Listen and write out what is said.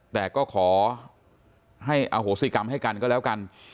แต่ก็ขอให้อโหสิกรรมให้กันก็แล้วกัน